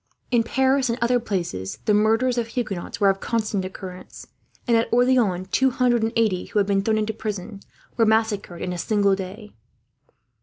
In Paris, and other places, the murders of Huguenots were of constant occurrence; and at Orleans two hundred and eighty, who had been thrown into prison, were massacred in a single day.